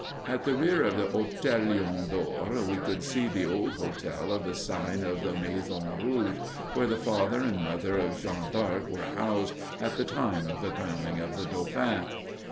At the rear of the Hôtel Lion d'Or we could see the old hotel of the sign of the Maison Rouge, where the father and mother of Jeanne d'Arc were housed at the time of the crowning of the dauphin.